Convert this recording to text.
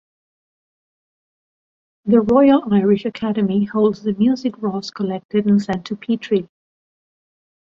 The Royal Irish Academy holds the music Ross collected and sent to Petrie.